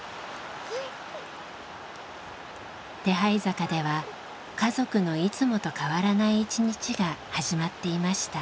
手這坂では家族のいつもと変わらない一日が始まっていました。